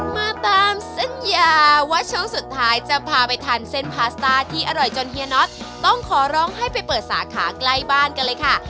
มาตามสัญญาว่าช่วงสุดท้ายจะพาไปทานเส้นพาสต้าที่อร่อยจนเฮียน็อตต้องขอร้องให้ไปเปิดสาขาใกล้บ้านกันเลยค่ะ